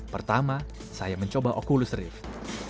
pertama saya mencoba oculus rift